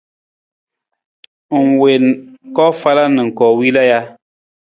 Ng wiin koofala na koowila ja?